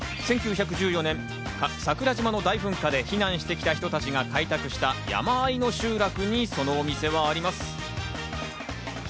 １９１４年、桜島の大噴火で避難してきた人たちが開拓した山間の集落にそのお店はあります。